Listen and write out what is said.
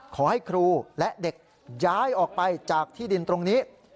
ขอให้ครูและเด็กย้ายออกไปจากที่ดินตรงนี้